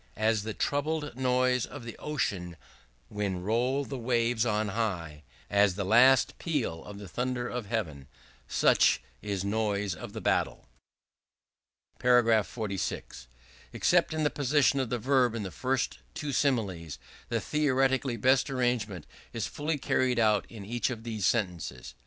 As the troubled noise of the ocean when roll the waves on high; as the last peal of the thunder of heaven; such is noise of the battle." § 46. Except in the position of the verb in the first two similes, the theoretically best arrangement is fully carried out in each of these sentences.